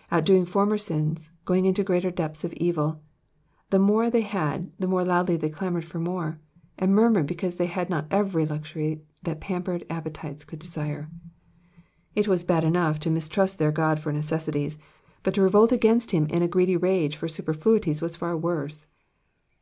'*'' Outdoing former sins, going into greater deeps of evil : the more they had the more loudly they clamoured for more, and murmured because they had not every luxury that pampered appetites could desire. It was bad enough to mistrust their God for necessa nes, but to revolt against him in a greedy rage for superfluities was far worse.